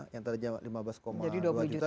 yang tadi lima belas dua juta jadi dua puluh juta